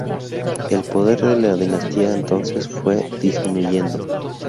El poder de la dinastía entonces fue disminuyendo.